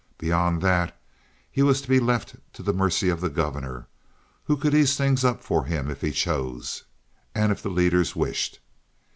Beyond that he was to be left to the mercy of the governor, who could ease things up for him if he chose, and if the leaders wished.